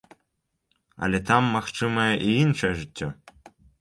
Але там магчымае і іншае жыццё.